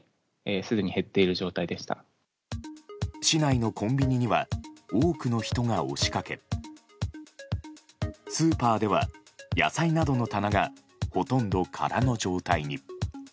市内のコンビニには多くの人が押しかけスーパーでは野菜などの棚がほとんど空の状態に。